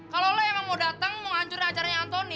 kalau kamu mau datang kamu mau hancurin acaranya antoni